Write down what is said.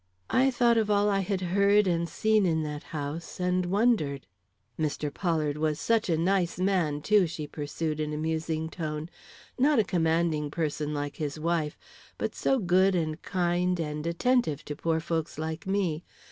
I thought of all I had heard and seen in that house, and wondered. "Mr. Pollard was such a nice man, too," she pursued, in a musing tone. "Not a commanding person, like his wife, but so good and kind and attentive to poor folks like me.